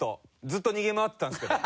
ずっと逃げ回ってたんですけど。